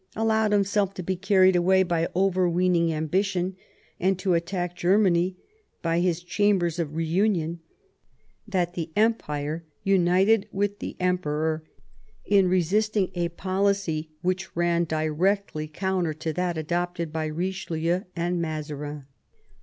allowed himself to be carried away by overweening ambition, and to attack Germany by his Chambers of Reunion, that the Empire united with the Emperor in resisting a policy which ran directly counter to that adopted by Richelieu and Mazarin.